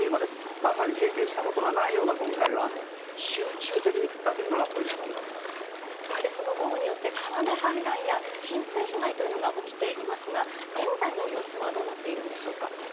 まさに経験したことがないような、今回は雨、集中的に降ったというそしてその豪雨によって、川の氾濫や浸水被害というのが起きていますが、現在の様子はどうなっているんでしょうか。